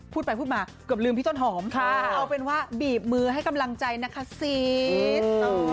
พูดไปพูดมาเกือบลืมพี่ต้นหอมเอาเป็นว่าบีบมือให้กำลังใจนะคะซีด